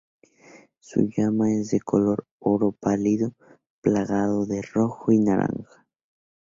Su llama es de color oro pálido plagado de rojo y naranja.